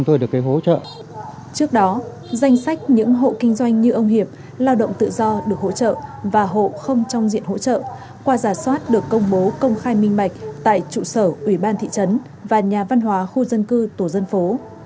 trước đó danh sách những hộ kinh doanh như ông hiệp lao động tự do được hỗ trợ và hộ không trong diện hỗ trợ qua giả soát được công bố công khai minh bạch tại trụ sở ủy ban thị trấn và nhà văn hóa khu dân cư tổ dân phố